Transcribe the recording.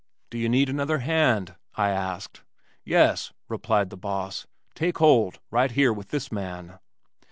"Do you need another hand?" I asked. "Yes," replied the boss. "Take hold, right here, with this man."